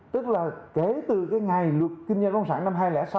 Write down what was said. tức là kể từ cái ngày luật kinh doanh bất đồng sản năm hai nghìn sáu